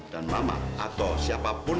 dan mama atau siapa pun